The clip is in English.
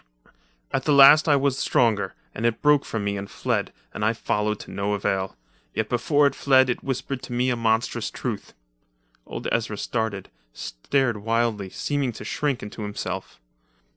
"At the last I was stronger, and it broke from me and fled, and I followed to no avail. Yet before it fled it whispered to me a monstrous truth." Old Ezra started, stared wildly, seemed to shrink into himself.